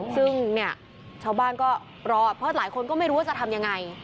ซึ่งเนี่ยชาวบ้านก็รอเพราะหลายคนก็ไม่รู้ว่าจะทำยังไง